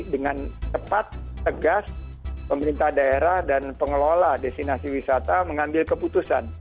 dengan cepat tegas pemerintah daerah dan pengelola destinasi wisata mengambil keputusan